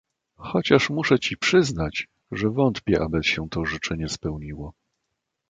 "Chociaż muszę ci przyznać, że wątpię aby się to życzenie spełniło."